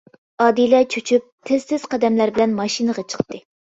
ئادىلە چۆچۈپ، تېز-تېز قەدەملەر بىلەن ماشىنىغا چىقتى.